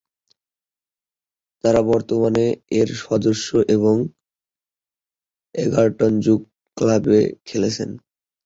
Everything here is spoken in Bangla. তারা বর্তমানে এর সদস্য এবং এগারটন যুব ক্লাবে খেলেন।